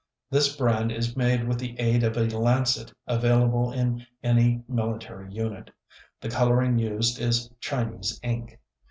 . This brand is made with the aid of a lancet available in any military unit. The coloring used is Chinese ink."